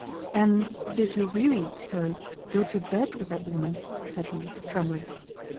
"And did you really, sir, go to bed with that woman?" said he, trembling.